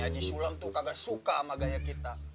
haji sulam tuh kagak suka sama gaya kita